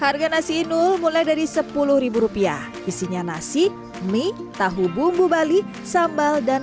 harga nasi inul mulai dari sepuluh rupiah isinya nasi mie tahu bumbu bali sambal dan